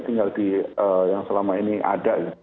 tinggal di yang selama ini ada